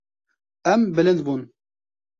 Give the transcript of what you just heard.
Em bilind bûn.